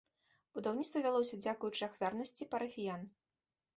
Будаўніцтва вялося дзякуючы ахвярнасці парафіян.